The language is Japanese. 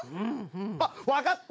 あっわかった。